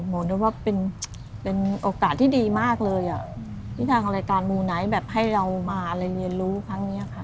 บอกเลยว่าเป็นโอกาสที่ดีมากเลยอ่ะที่ทางรายการมูไนท์แบบให้เรามาอะไรเรียนรู้ครั้งนี้ค่ะ